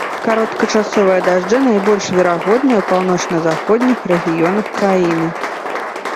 Кароткачасовыя дажджы найбольш верагодныя ў паўночна-заходніх рэгіёнах краіны.